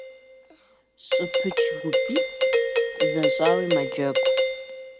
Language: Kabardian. ЩӀыпыч гупитӀ защӀауи мэджэгу.